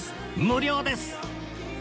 無料です！